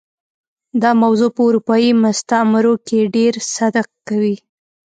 دا موضوع په اروپايي مستعمرو کې ډېر صدق کوي.